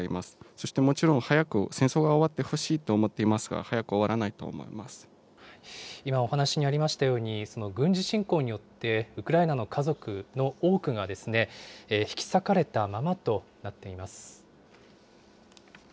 そしてもちろん早く戦争が終わってほしいと思っていますが、早く今お話にありましたように、軍事侵攻によってウクライナの家族の多くが引き裂かれたままとなっています。